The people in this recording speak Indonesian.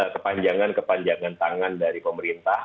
kepanjangan kepanjangan tangan dari pemerintah